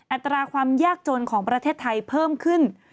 อัตราความยากจนของประเทศไทยเพิ่มขึ้น